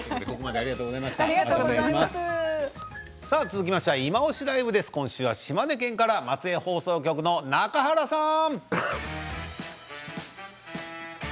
続きましては「いまオシ！ＬＩＶＥ」です。今週は島根県から松江放送局の中原さん！